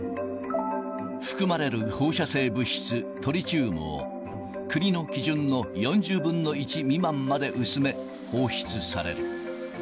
含まれる放射性物質、トリチウムを国の基準の４０分の１未満まで薄め、放出される。